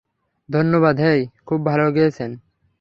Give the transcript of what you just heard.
ধন্যবাদ হেই, খুব ভালো গেয়েছেন।